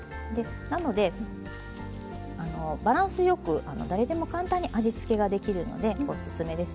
なのでバランスよく誰でも簡単に味付けができるのでおすすめです。